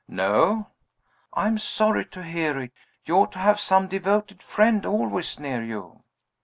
"No." "I am sorry to hear it. You ought to have some devoted friend always near you."